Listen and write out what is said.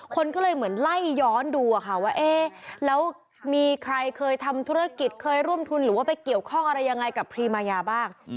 คนก็เลยเหมือนไล่ย้อนดูค่ะว่าเอ๊ะแล้วมีใครเคยทำธุรกิจเคยร่วมทุนหรือว่าไปเกี่ยวข้องอะไรยังไงกับพรีมายาบ้าง